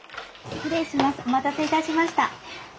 お待たせいたしました。